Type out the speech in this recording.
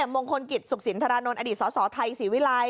มงคลกิจศุกษินทรานนทร์อดีตสอสอไทยสีวิไล